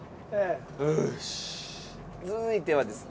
続いてはですね。